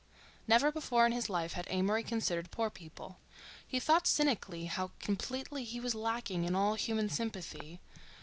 Never before in his life had Amory considered poor people. He thought cynically how completely he was lacking in all human sympathy.